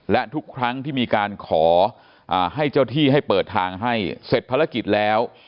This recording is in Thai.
และทุกครั้งที่มีการขอให้เจ้าที่ให้เปิดทางให้เสร็จภารกิจแล้ว